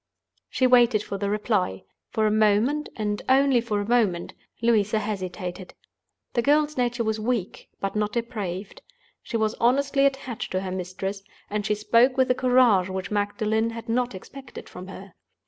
She waited for the reply. For a moment, and only for a moment, Louisa hesitated. The girl's nature was weak, but not depraved. She was honestly attached to her mistress; and she spoke with a courage which Magdalen had not expected from her.